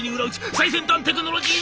最先端テクノロジー！」。